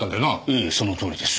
ええそのとおりです。